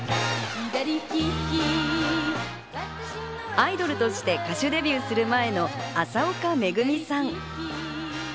アイドルとして歌手デビューする前の麻丘めぐみさん。